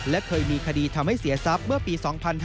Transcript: และเคยมีคดีทำให้เสียทรัพย์เมื่อปี๒๕๕๙